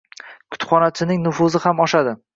Kutubxonachilarining nufuzi ham oshadi.